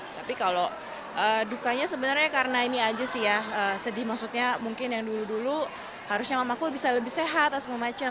tapi kalau dukanya sebenarnya karena ini aja sih ya sedih maksudnya mungkin yang dulu dulu harusnya mamaku bisa lebih sehat atau semua macem